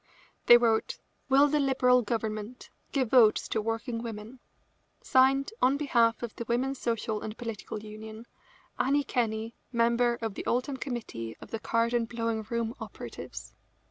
They wrote: "Will the Liberal Government give votes to working women? Signed, on behalf of the Women's Social and Political Union, Annie Kenney, member of the Oldham committee of the card and blowing room operatives."